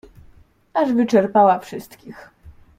"Aż wyczerpała wszystkich."